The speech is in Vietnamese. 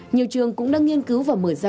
nhiều trường cũng đang nghiên cứu và mở ra